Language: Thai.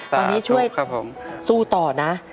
ตอนนี้ช่วยสู้ต่อนะ